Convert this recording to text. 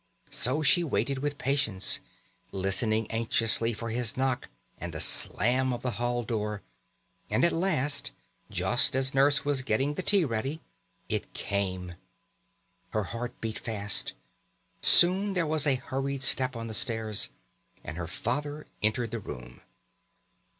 So she waited with patience, listening anxiously for his knock and the slam of the hall door, and at last, just as Nurse was getting the tea ready, it came. Her heart beat fast. Soon there was a hurried step on the stairs, and her father entered the room.